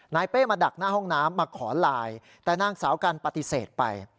เป้มาดักหน้าห้องน้ำมาขอไลน์แต่นางสาวกันปฏิเสธไป